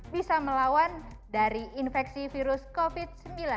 bisa melawan dari infeksi virus covid sembilan belas